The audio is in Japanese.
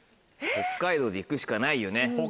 北海道で行くしかない？